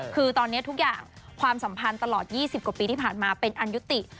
คือตอนนี้ทุกอย่างความสัมพันธ์ตลอด๒๐กว่าปีที่ผ่านมาเป็นอันยุติ